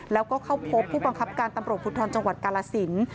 แล้วก็เข้าพบผู้บังคับการตำรวจภูทรจังหวัดกาลสิน